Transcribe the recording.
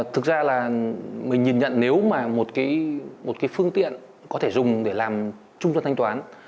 thực ra là mình nhìn nhận nếu mà một cái phương tiện có thể dùng để làm chung cho thanh toán